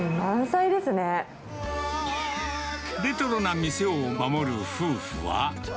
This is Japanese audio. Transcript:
レトロな店を守る夫婦は。